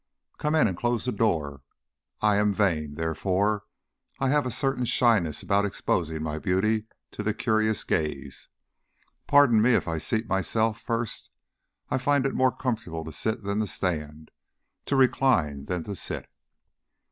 "Come in and close the door. I am vain, therefore I have a certain shyness about exposing my beauty to the curious gaze. Pardon me if I seat myself first; I find it more comfortable to sit than to stand, to recline than to sit."